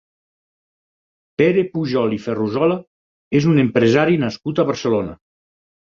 Pere Pujol i Ferrusola és un empresari nascut a Barcelona.